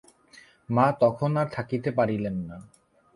মা তখন আর থাকিতে পারিলেন না।